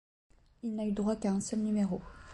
Il n'a eu droit qu'à un seul numéro.